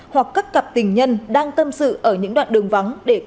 hoặc các cặp tình nhân đang tâm sự ở nhà